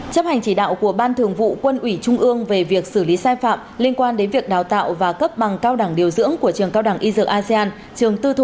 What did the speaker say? chấp hành chỉ đạo của ban thường vụ quân ủy trung ương về việc xử lý sai phạm liên quan đến việc đào tạo và cấp bằng cao đẳng điều dưỡng của trường cao đẳng y dược asean